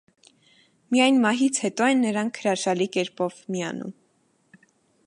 Միայն մահից հետո են նրանք հրաշալի կերպով միանում։